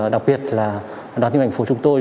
đặc biệt là đoàn tin hành phố chúng tôi